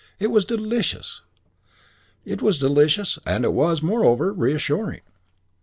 It was delicious. II It was delicious and it was, moreover, reassuring.